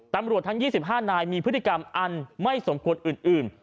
ตำรวจทั้ง๒๕นายมีพฤติกรรมอันไม่สมควรอื่น